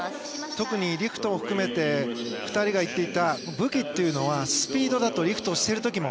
特に、リフトを含めて２人が言っていた武器というのはスピードだとリフトをしている時も。